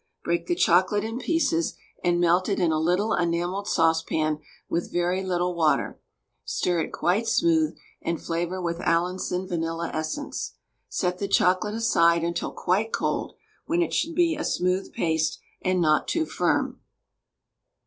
Break the chocolate in pieces, and melt it in a little enamelled saucepan with very little water; stir it quite smooth, and flavour with Allinson vanilla essence. Set the chocolate aside until quite cold, when it should be a smooth paste, and not too firm.